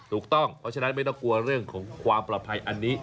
ถูกต้องเพราะฉะนั้นไม่ต้องกลัวเรื่องของความปลอดภัยอันนี้